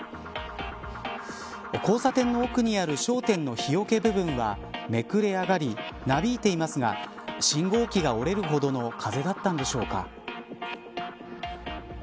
交差点の奥にある商店の日よけ部分はめくれ上がり、なびいていますが信号機が折れるほどの風だったんでしょうか。